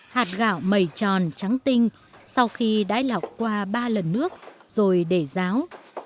hạt gạo mầy tròn trắng tinh sau khi đãi lọc qua ba lần nước rồi để ráo